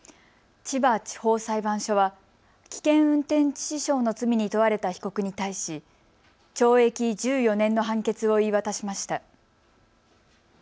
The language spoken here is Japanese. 千葉地方裁判所は危険運転致死傷の罪に問われた被告に対し懲役１４年の判決を言い渡しました。